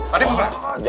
pak deh panggilan